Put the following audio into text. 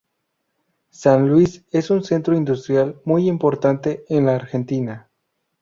San Luis es un centro industrial muy importante en la Argentina.